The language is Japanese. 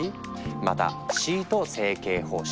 また「シート成形方式」。